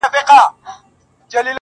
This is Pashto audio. ورته ایښی د مغول د حلوا تال دی.